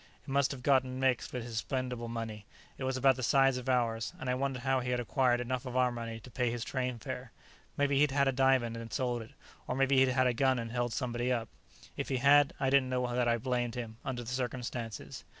It must have gotten mixed with his spendable money it was about the size of ours and I wondered how he had acquired enough of our money to pay his train fare. Maybe he'd had a diamond and sold it, or maybe he'd had a gun and held somebody up. If he had, I didn't know that I blamed him, under the circumstances.